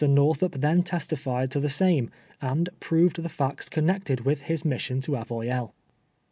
jSTortliup then testified to the same, and proved the facts connected with his mission to Avoy elles.